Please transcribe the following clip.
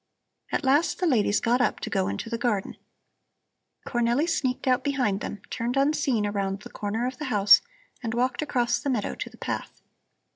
At last the ladies got up to go into the garden. Cornelli sneaked out behind them, turned unseen around the corner of the house, and walked across the meadow to the path.